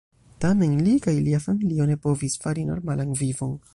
Tamen li kaj lia familio ne povis fari normalan vivon.